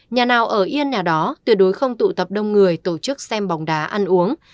nhà nào ở yên nhà đó tuyệt đối không tụ tập đông người tổ chức xem bóng đá ăn uống